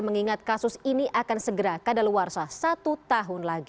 mengingat kasus ini akan segera kadaluarsa satu tahun lagi